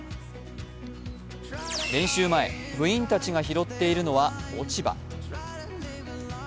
練習前、部員たちが拾っているのは落ち葉。